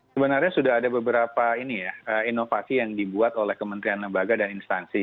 sebenarnya sudah ada beberapa ini ya inovasi yang dibuat oleh kementerian lembaga dan instansi